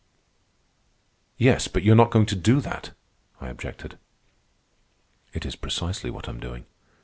"Yes, but you are not doing that," I objected. "It is precisely what I am doing.